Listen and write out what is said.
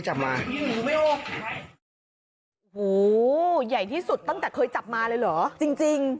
ใหญ่ที่สุดตั้งแต่เคยจับมาเลยเหรอจริงจริง